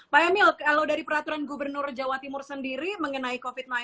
pak emil kalau dari peraturan gubernur jawa timur sendiri mengenai covid sembilan belas